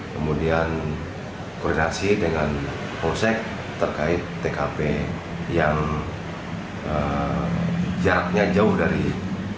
kemudian koordinasi dengan polsek terkait tkp yang jaraknya jauh dari